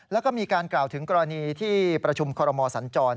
แล้วก็มีการกล่าวถึงกรณีที่ประชุมคอรมอสัญจร